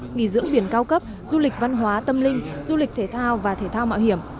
nghỉ dưỡng biển cao cấp du lịch văn hóa tâm linh du lịch thể thao và thể thao mạo hiểm